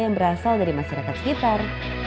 yang berasal dari masyarakat sekitar